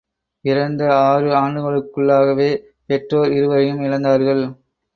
பிறந்த ஆறு ஆண்டுக்குள்ளாகவே பெற்றோர் இருவரையும் இழந்தார்கள்.